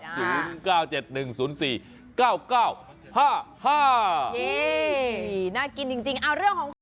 เย่น่ากินจริง